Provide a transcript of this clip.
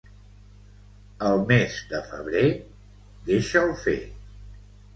El mes de febrer, deixa'l fer.